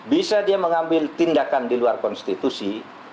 bisa dia mengambil tindakan di luar konstitusi